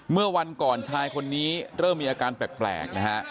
เมื่อวันก่อนชายคนนี้เริ่มมีอาการแปลกนะฮะ